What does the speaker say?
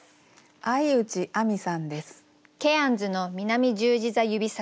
相内あみさんです。